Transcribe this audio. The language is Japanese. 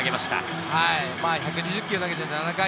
１２０球投げて７回。